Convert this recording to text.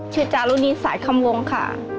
ชื่อจารุนีนสายคำวงค่ะ